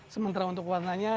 sementara untuk warnanya